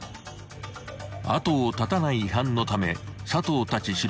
［後を絶たない違反のため佐藤たち